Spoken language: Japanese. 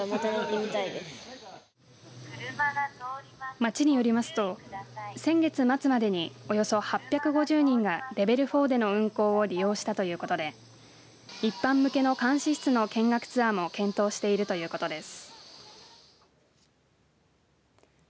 町によりますと先月末までにおよそ８５０人がレベル４での運行を利用したということで一般向けの監視室の見学ツアーも検討しているということです。